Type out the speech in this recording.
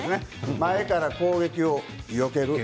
前からの攻撃をよける。